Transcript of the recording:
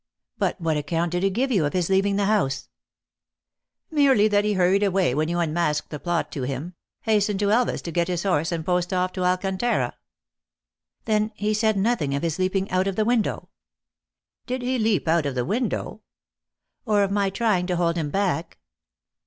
But what account did he give of his leaving the house ?" "Merely that he hurried away when you unmasked the plot to him ; hastened to Elvas to get his horse, and post off to Alcantara." " Then he said nothing of his leaping out of the window ?"" Did he leap out of the window ?"" Or of my trying to hold him back